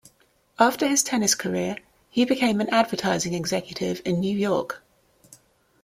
After his tennis career he became an advertising executive in New York.